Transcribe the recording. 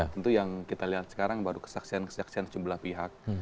tentu yang kita lihat sekarang baru kesaksian kesaksian sejumlah pihak